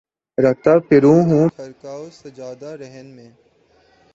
رکھتا پھروں ہوں خرقہ و سجادہ رہن مے